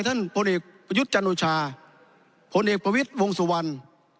ท่านผลเอกประยุษย์จรรย์วชาผลเอกประวิษย์วงศัวรรย์